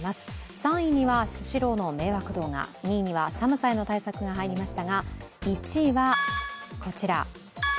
３位にはスシローの迷惑動画、２位には寒さへの対策が入りましたが１位はこちら。